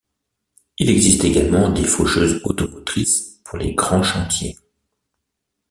Il existe également des faucheuses automotrices pour les grands chantiers.